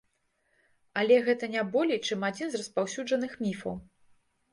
Але гэта не болей, чым адзін з распаўсюджаных міфаў.